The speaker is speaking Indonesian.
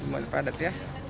lumayan padat ya